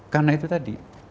karena itu tadi